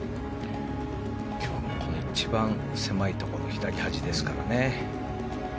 今日の一番狭いところ左端ですからね。